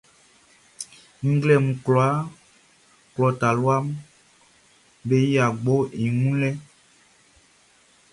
Nglɛmun kwlaaʼn, klɔ taluaʼm be yia gboʼn i wun lɛ.